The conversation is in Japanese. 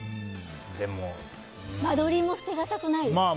間取りも捨てがたくないですか？